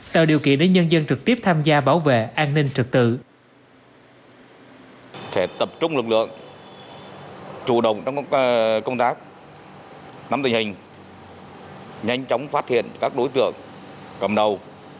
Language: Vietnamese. tạo điều kiện để nhân dân trực tiếp tham gia bảo vệ an ninh trật tự